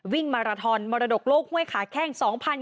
วิ่งมาราทอนมรดกโลกห้วยขาแข้ง๒๐๒๐